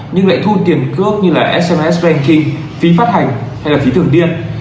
nhưng lại thu tiền cước như là sms banking phí phát hành hay là phí thưởng điện